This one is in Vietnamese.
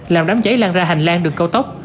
làm đám cháy lan ra hành lang đường cao tốc